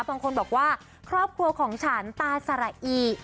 บางคนบอกว่าครอบครัวของฉันตาสระอี